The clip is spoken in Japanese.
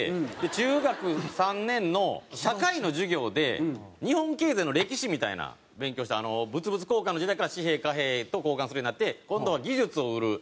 中学３年の社会の授業で日本経済の歴史みたいな勉強して物々交換の時代から紙幣貨幣と交換するようになって今度は技術を売る。